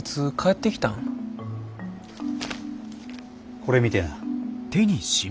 これ見てな。